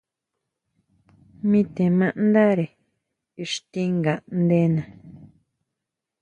Mi te mandare ixti ngaʼndená.